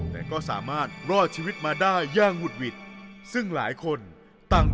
แต่ก็สามารถรอดชีวิตมาได้อย่างหุดหวิดซึ่งหลายคนต่าง